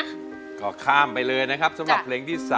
ก็ข้ามไปเลยนะครับสำหรับเพลงที่๓